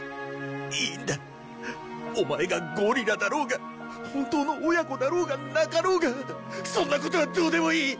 いいんだオマエがゴリラだろうが本当の親子だろうがなかろうがそんなことはどうでもいい！